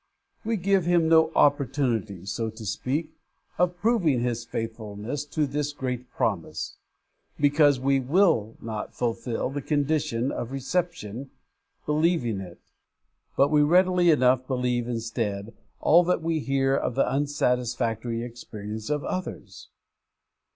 We give Him no opportunity, so to speak, of proving His faithfulness to this great promise, because we will not fulfil the condition of reception, believing it. But we readily enough believe instead all that we hear of the unsatisfactory experience of others!